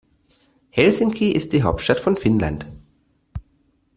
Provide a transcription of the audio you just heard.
Helsinki ist die Hauptstadt von Finnland.